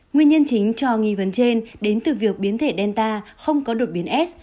nguyên nhân chính cho nghi vấn trên đến từ việc biến thể delta không có đột biến s